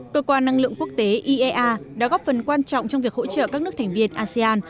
cơ quan năng lượng quốc tế iea đã góp phần quan trọng trong việc hỗ trợ các nước thành viên asean